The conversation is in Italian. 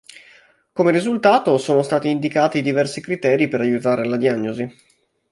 Come risultato, sono stati indicati diversi criteri per aiutare la diagnosi.